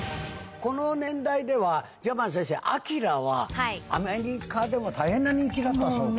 この年代では、ジャーマン先生、ＡＫＩＲＡはアメリカでも大変な人気なんだそうですね。